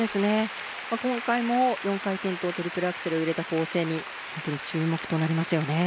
今回も４回転とトリプルアクセルを入れた構成に本当に注目となりますよね